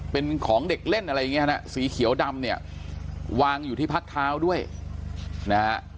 เป็นของเด็กเล่นอะไรอย่างเงี้ฮะสีเขียวดำเนี่ยวางอยู่ที่พักเท้าด้วยนะฮะ